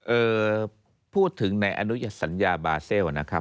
เอ่อพูดถึงในอนุญสัญญาบาเซลนะครับ